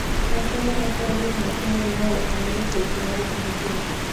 Nació en Buenos Aires en el seno de una de las familias tradicionales argentinas.